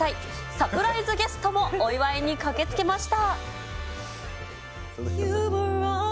サプライズゲストもお祝いに駆けつけました。